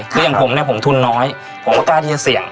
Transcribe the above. คืออย่างผมเนี่ยผมทุนน้อยผมก็กล้าที่จะเสี่ยง